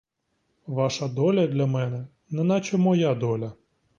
Ваша доля для мене — неначе моя доля.